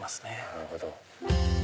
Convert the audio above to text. なるほど。